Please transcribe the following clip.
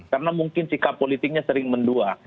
karena mungkin sikap politiknya sering mendua